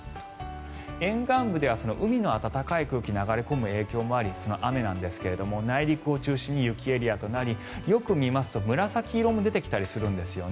沿岸部では海の暖かい空気が流れ込む影響もあり雨なんですが内陸を中心に雪エリアとなりよく見ますと紫色も出てきたりするんですよね。